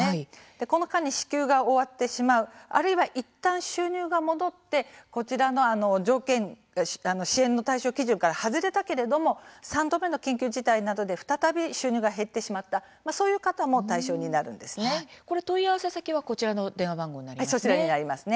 この間に支給が終わってしまうあるいはいったん収入が戻って支援の対象基準から外れたけれども３度目の緊急事態宣言などで再び収入が減ってしまった問い合わせ先はそうですね。